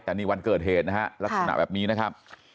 แต่นี่วันเกิดเหตุนะฮะลักษณะแบบนี้นะครับ